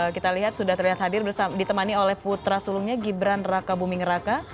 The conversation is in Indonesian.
kita lihat sudah terlihat hadir ditemani oleh putra sulungnya gibran raka buming raka